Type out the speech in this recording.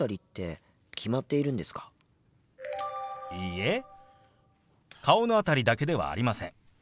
いいえ顔の辺りだけではありません。